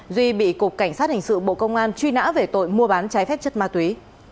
duy bị cục cảnh sát hình sự bộ công an truy nã về tội mua bán trái phép chất ma túy